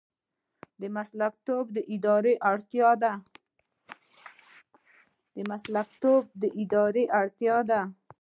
مسلکي توب د ادارې اړتیا ده